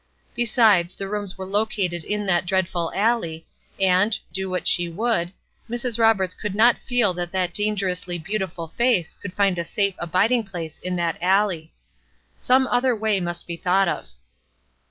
Besides, the rooms were located in that dreadful alley; and, do what she would, Mrs. Roberts could not feel that that dangerously beautiful face could find a safe abiding place in that alley. Some other way must be thought of.